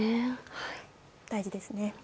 大事ですね。